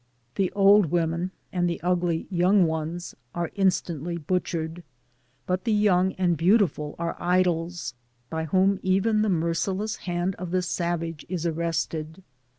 Thie old women, and the ugly young ones, are instantly butchered; but the young and beautiful Digitized byGoogk THE FAMPAS. 93 are idols, by whom even the merciless hand of the savage is arrested.